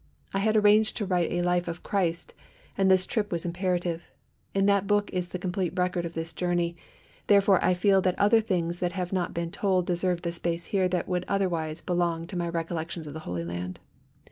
I had arranged to write a Life of Christ, and this trip was imperative. In that book is the complete record of this journey, therefore I feel that other things that have not been told deserve the space here that would otherwise belong to my recollections of the Holy Land.